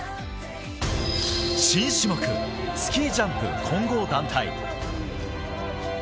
新種目・スキージャンプ混合団体。